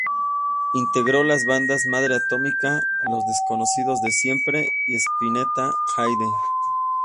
Integró las bandas Madre Atómica, Los Desconocidos de Siempre y Spinetta Jade.